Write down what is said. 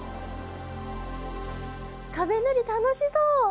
壁塗り楽しそう！